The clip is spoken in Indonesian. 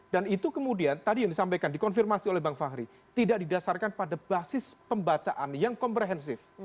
dan itu kemudian tadi yang disampaikan dikonfirmasi oleh bang fahri tidak didasarkan pada basis pembacaan yang komprehensif